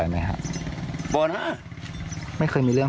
มันเกิดขุมไหน